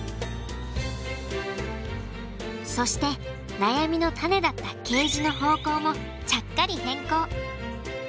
そして悩みの種だったケージの方向もちゃっかり変更。